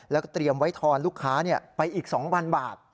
แล้วก็เตรียมไว้ทอนลูกค้าไปอีก๒๐๐บาท